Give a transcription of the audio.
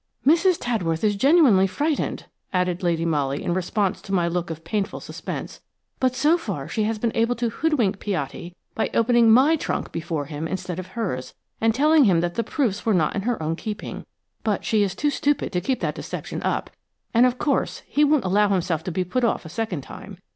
"Mrs. Tadworth is genuinely frightened," added Lady Molly in response to my look of painful suspense, "but so far she has been able to hoodwink Piatti by opening my trunk before him instead of hers, and telling him that the proofs were not in her own keeping. But she is too stupid to keep that deception up, and, of course, he won't allow himself to be put off a second time.